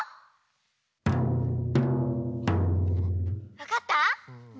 わかった？